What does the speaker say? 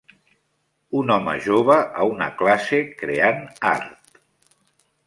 Un home jove a una classe creant art.